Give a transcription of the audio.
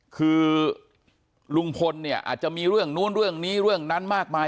คือลุงพลเนี่ยอาจจะมีเรื่องนู้นเรื่องนี้เรื่องนั้นมากมาย